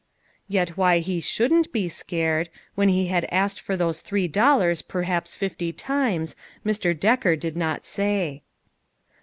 Yet why he shouldn't be " scared," when he had asked for those three dollars per haps fifty times, Mr. Decker did not say.